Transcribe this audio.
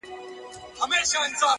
د ميني داغ ونه رسېدی،